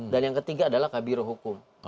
dan yang ketiga adalah kabir hukum